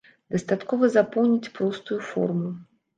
Дастаткова запоўніць простую форму.